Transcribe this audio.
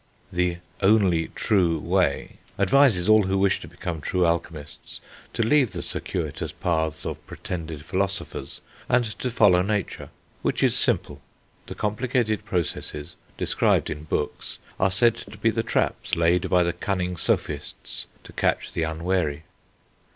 The Only True Way advises all who wish to become true alchemists to leave the circuitous paths of pretended philosophers, and to follow nature, which is simple; the complicated processes described in books are said to be the traps laid by the "cunning sophists" to catch the unwary.